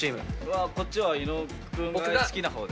こっちは伊野尾君が好きな方で。